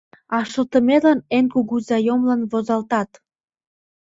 А шылметлан эн кугу заёмлан возалтат!